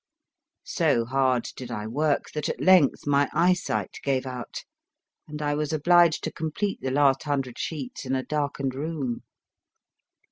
So hard did I work that at length my eyesight gave out, and I was obliged to complete the last hundred sheets in a darkened room.